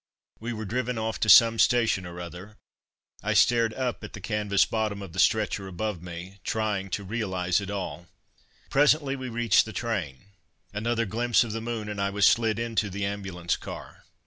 We were driven off to some station or other. I stared up at the canvas bottom of the stretcher above me, trying to realize it all. Presently we reached the train. Another glimpse of the moon, and I was slid into the ambulance car....